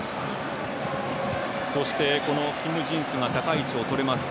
そして、キム・ジンスが高い位置をとれます。